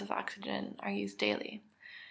of oxygen are used daily.